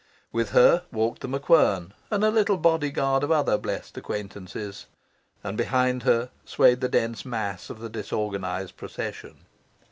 With her walked The MacQuern, and a little bodyguard of other blest acquaintances; and behind her swayed the dense mass of the disorganised procession.